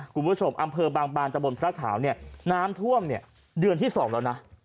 อำเภอบางบานตะบนพระขาวเนี่ยน้ำท่วมเนี่ยเดือนที่๒แล้วนะ